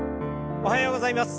おはようございます。